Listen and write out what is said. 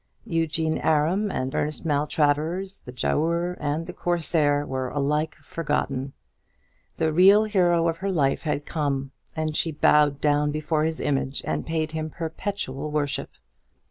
Eugene Aram and Ernest Maltravers, the Giaour and the Corsair, were alike forgotten. The real hero of her life had come, and she bowed down before his image, and paid him perpetual worship.